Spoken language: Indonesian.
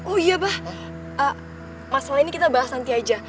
oh iya bah masalah ini kita bahas nanti aja